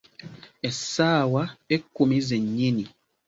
Essaawa ekkumi ze nnyini.